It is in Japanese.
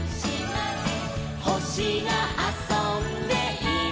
「ほしがあそんでいるのかな」